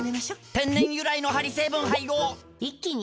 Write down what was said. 天然由来のハリ成分配合一気に！